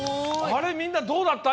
あれみんなどうだった？